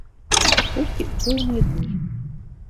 Толькі ў пэўныя дні.